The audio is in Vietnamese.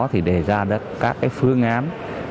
thì đề ra các cái phương án